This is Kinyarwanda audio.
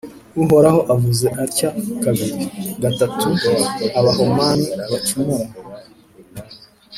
Uhoraho avuze atya Kabiri gatatu Abahamoni bacumura !